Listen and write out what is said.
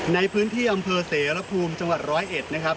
ในพื้นที่อำเภอเสรภูมิจังหวัด๑๐๑นะครับ